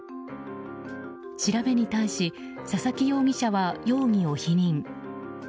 調べに対し佐々木容疑者は容疑を否認。